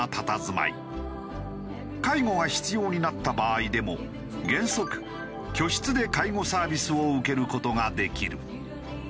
介護が必要になった場合でも原則居室で介護サービスを受ける事ができる。